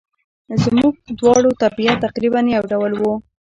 زموږ دواړو طبیعت تقریباً یو ډول وو.